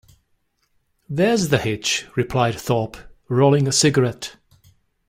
There's the hitch, replied Thorpe, rolling a cigarette.